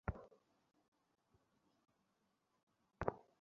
বছর খানেক ধরে নদীভাঙনে অনেক পরিবার ভিটা হারিয়ে নিঃস্ব হয়ে যায়।